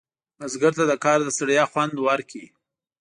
بزګر ته د کار د ستړیا خوند ورکړي